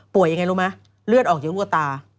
ป่วยยังไงรู้ไหมเลือดออกเยอะกว่าตา